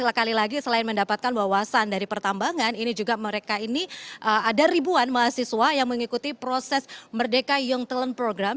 jadi sekali lagi selain mendapatkan wawasan dari pertambangan ini juga mereka ini ada ribuan mahasiswa yang mengikuti proses merdeka young talent program